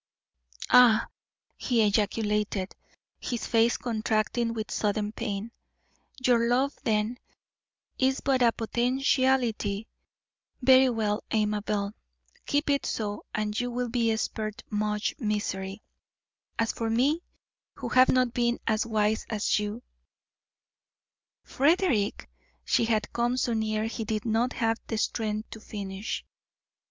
"Ah!" he ejaculated, his face contracting with sudden pain; "your love, then, is but a potentiality. Very well, Amabel, keep it so and you will be spared much misery. As for me, who have not been as wise as you " "Frederick!" She had come so near he did not have the strength to finish.